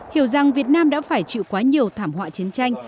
hiểu rằng việt nam đã phải chịu quá nhiều thảm họa chiến tranh